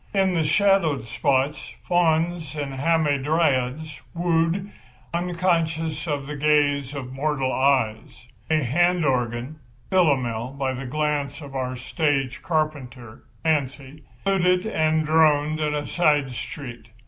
In the shadowed spots fauns and hamadryads wooed, unconscious of the gaze of mortal eyes. A hand organ—Philomel by the grace of our stage carpenter, Fancy—fluted and droned in a side street.